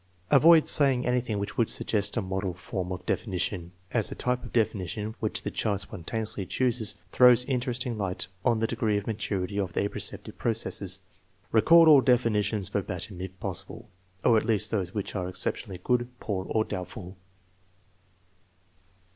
Avoid saying anything which would suggest a model form of definition, as the type of definition which the child spontaneously chooses throws interesting light on the degree of maturity of the apperceptive processes. Record all definitions verbatim if possible, or at least those which are exceptionally good, poor, or doubtful.